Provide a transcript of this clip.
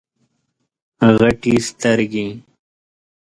غټي سترګي